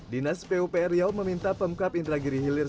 dinas pupr riau meminta pemkap indra giri hilir